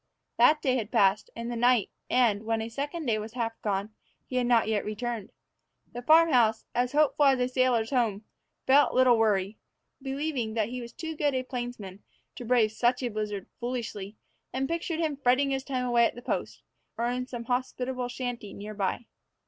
That day had passed, and the night; and, when a second day was half gone, he had not yet returned. The farm house, as hopeful as a sailor's home, felt little worry, believing that he was too good a plainsman to brave such a blizzard foolishly, and pictured him fretting his time away at the post, or in some hospitable shanty nearer by.